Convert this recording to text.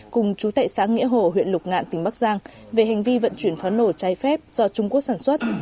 cùng chú tệ xã nghĩa hồ huyện lục ngạn tỉnh bắc giang về hành vi vận chuyển pháo nổ cháy phép do trung quốc sản xuất